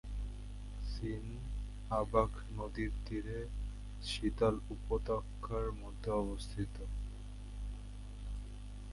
Scene আবাখ নদীর তীরে সিতাল উপত্যকার মধ্যে অবস্থিত।